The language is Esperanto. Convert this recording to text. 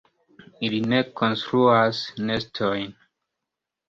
Ili ne konstruas nestojn.